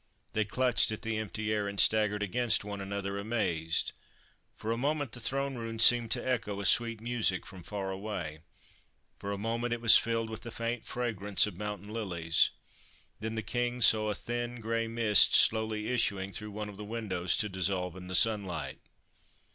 They clutched at the empty air and staggered against one another, amazed. For a moment the Throne room seemed to echo a sweet music from far away ; for a moment it was filled with the faint fragrance of mountain lilies ; then the King saw a thin grey mist slowly issuing through one of the windows, to dissolve in the sunlight.